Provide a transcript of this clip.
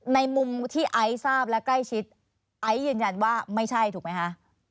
ในมุมที่ไอซ์ทราบและใกล้ชิดไอซ์ยืนยันว่าไม่ใช่ถูกไหมคะ